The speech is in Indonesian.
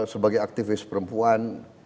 sebagai aktivis perempuan